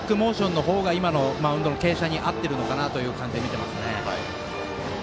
クイックモーションの方が今のマウンドの傾斜に合ってるのかなという感じで見ていますね。